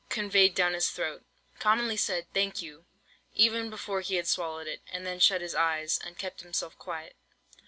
conveyed down his throat: commonly said, "Thank you," even before he had swallowed it; and then shut his eyes, and kept himself quiet.